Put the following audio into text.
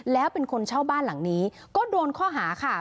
แล้วเป็นคนเช่าบ้านหลังนี้ก็โดนข้อหาค่ะ